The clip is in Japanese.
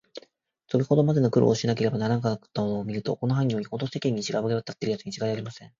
それほどまでの苦労をしなければならなかったのをみると、この犯人は、よほど世間に知れわたっているやつにちがいありません。